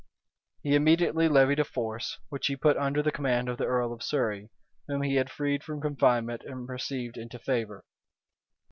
He immediately levied a force, which he put under the command of the earl of Surrey, whom he had freed from confinement and received into favor.